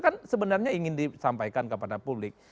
kan sebenarnya ingin disampaikan kepada publik